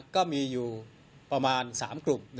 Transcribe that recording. ก็มีอยู่ประมาณ๓กลุ่ม